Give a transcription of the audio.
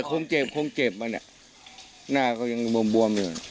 คงเจ็บคงเจ็บมาเนี่ยหน้าก็ยังบวมอยู่